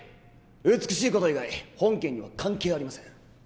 美しい事以外本件には関係ありません！